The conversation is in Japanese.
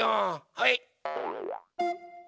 はい！